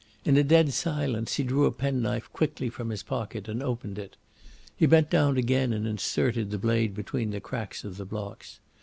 In a dead silence he drew a pen knife quickly from his pocket and opened it. He bent down again and inserted the blade between the cracks of the blocks.